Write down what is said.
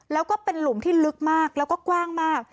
แล้วก็เป็นหลุมที่ลึกมากแล้วก็กว้างมาก